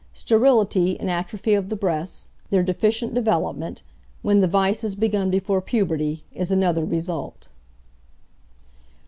Sterility, and atrophy of the breasts their deficient development when the vice is begun before puberty, is another result.